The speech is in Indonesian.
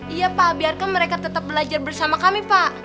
iya pak biarkan mereka tetap belajar bersama kami pak